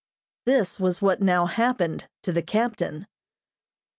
This was what now happened to the captain.